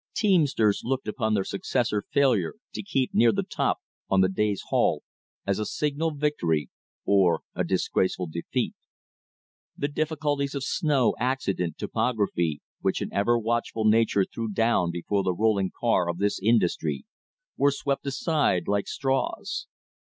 Teamsters looked upon their success or failure to keep near the top on the day's haul as a signal victory or a disgraceful defeat. The difficulties of snow, accident, topography which an ever watchful nature threw down before the rolling car of this industry, were swept aside like straws.